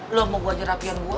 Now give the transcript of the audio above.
lo mau gua ajar rapian gua